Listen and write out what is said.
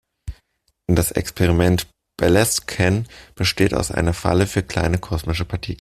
Das Experiment "Ballast Can" bestand aus einer Falle für kleine kosmische Partikel.